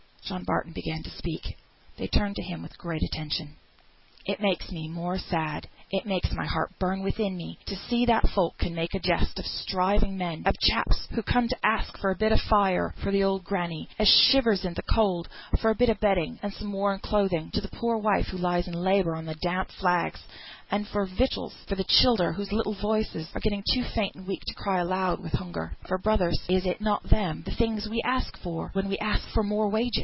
John Barton began to speak; they turned to him with great attention. "It makes me more than sad, it makes my heart burn within me, to see that folk can make a jest of earnest men; of chaps who comed to ask for a bit o' fire for th' old granny, as shivers in th' cold; for a bit o' bedding, and some warm clothing to the poor wife as lies in labour on th' damp flags; and for victuals for the childer, whose little voices are getting too faint and weak to cry aloud wi' hunger. For, brothers, is not them the things we ask for when we ask for more wage?